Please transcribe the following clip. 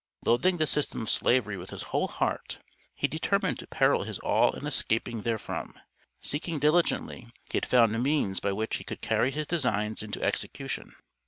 Loathing the system of slavery with his whole heart, he determined to peril his all in escaping therefrom; seeking diligently, he had found means by which he could carry his designs into execution.